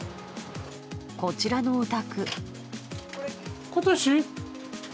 こちらのお宅。